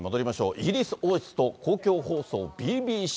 イギリス王室と公共放送ＢＢＣ。